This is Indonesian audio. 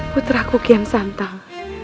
putraku kian santang